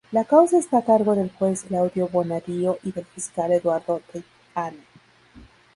La causa está a cargo del juez Claudio Bonadío y del fiscal Eduardo Taiana.